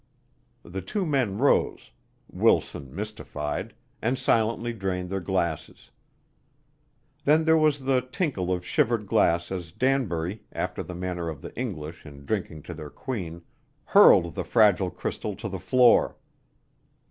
The two men rose, Wilson mystified, and silently drained their glasses. Then there was the tinkle of shivered glass as Danbury, after the manner of the English in drinking to their Queen, hurled the fragile crystal to the floor.